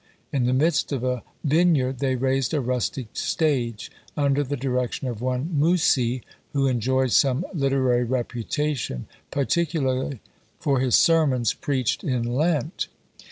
In the midst of a vineyard they raised a rustic stage, under the direction of one Mussi, who enjoyed some literary reputation, particularly for his sermons preached in Lent.